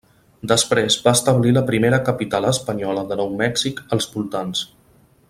Després va establir la primera capital espanyola de Nou Mèxic als voltants.